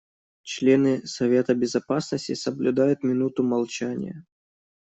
Члены Совета Безопасности соблюдают минуту молчания.